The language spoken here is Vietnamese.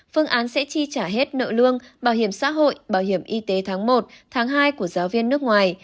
phương án sẽ chi trả hết nợ lương bảo hiểm xã hội bảo hiểm y tế tháng một tháng hai của giáo viên nước ngoài